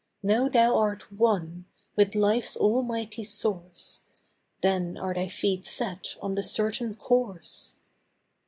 Know thou art One, with life's Almighty Source, Then are thy feet set on the certain Course.